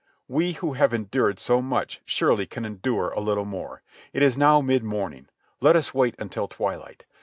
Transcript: We who have endured so much surely can endure a little more. It is now mid morning. Let us wait until twilight.